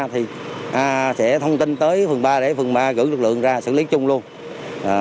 thì sẽ thông tin tới phường ba để phường ba gửi lực lượng ra xử lý chung luôn